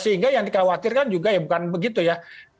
sehingga yang dikhawatirkan juga ya bukan begitu ya